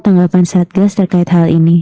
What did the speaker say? tanggapan satgas terkait hal ini